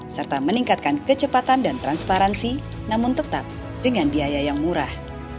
serta meningkatkan kecepatan dan transparansi namun tetap dengan biaya yang murah